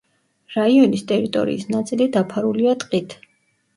რაიონის ტერიტორიის ნაწილი დაფარულია ტყით.